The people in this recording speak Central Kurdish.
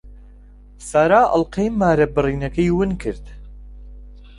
سارا ئەڵقەی مارەبڕینەکەی ون کرد.